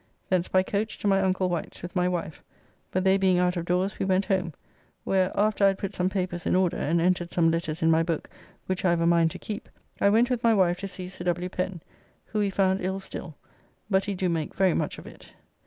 Thence by coach to my Uncle Wight's with my wife, but they being out of doors we went home, where, after I had put some papers in order and entered some letters in my book which I have a mind to keep, I went with my wife to see Sir W. Pen, who we found ill still, but he do make very much of it.